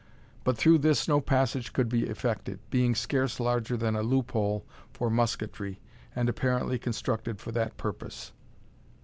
But through this no passage could be effected, being scarce larger than a loop hole for musketry, and apparently constructed for that purpose.